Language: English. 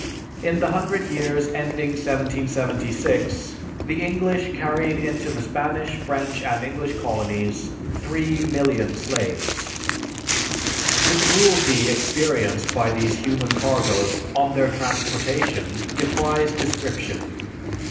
In the hundred years ending 1776, the English carried into the Spanish, French, and English Colonies three million slaves. The cruelty experienced by these human cargoes on their transportation defies description.